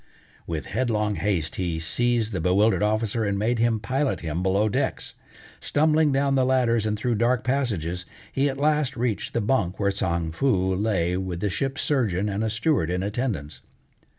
With headlong haste he seized the bewildered officer and made him pilot him below decks. Stumbling down the ladders and through dark passages, he at last reached the bunk where Tsang Foo lay with the ship's surgeon and a steward in attendance.